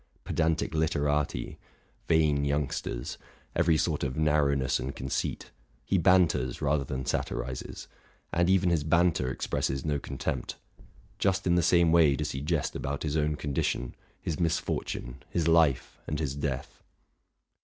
Pedantic literati, vain young sters, every sort of narrowness and conceit, he banters rather than satirizes ; and even his banter expresses no contempt. Just in the same way does he jest about his own condition, his misfortune, his life, and his death.